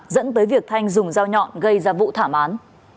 dẫn tới việc thanh dùng dao nhọn gây ra vụ thảm án